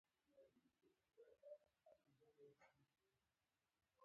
ټپي ته باید له غم نه خلاصون ورکړو.